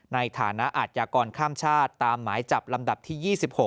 ในฐานะอาทยากรข้ามชาติตามหมายจับลำดับที่๒๖